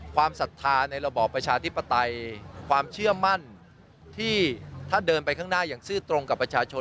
ศรัทธาในระบอบประชาธิปไตยความเชื่อมั่นที่ถ้าเดินไปข้างหน้าอย่างซื่อตรงกับประชาชน